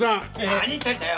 何言ってんだよ！